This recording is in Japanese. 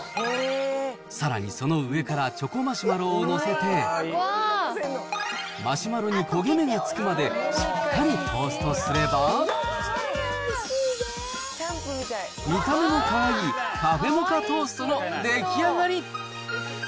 さらにその上からチョコマシュマロを載せて、マシュマロに焦げ目がつくまで、しっかりトーストすれば、見た目もかわいい、カフェモカトーストの出来上がり。